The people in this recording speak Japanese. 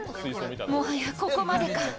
もはや、ここまでか。